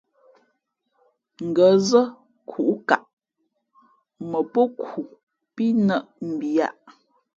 Ngα̌ zά kūʼkaʼ mα pō khu pí nάʼ mbiyāʼ.